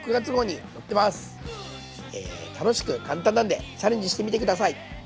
楽しく簡単なんでチャレンジしてみて下さい。